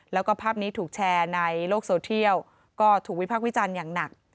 แล้วก็ภาพนี้ถูกแชร์ในโลกโซเทียลก็ถูกวิพักษ์วิจารณ์อย่างหนัก